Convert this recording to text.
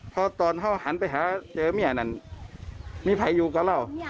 เพราะตอนเขาหันไปหาเจอแม่นั่นมีใครอยู่กับเรา